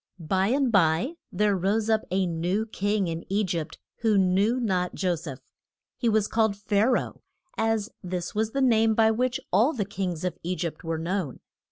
BY and by there rose up a new King in E gypt who knew not Jo seph. He was called Pha ra oh, as this was the name by which all the kings of E gypt were known.